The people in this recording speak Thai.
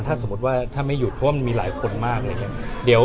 ถ้าสมมุติว่าไม่หยุดเพราะว่ามีหลายคนมากเลย